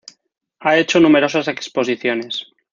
Ha hecho numerosas exposiciones.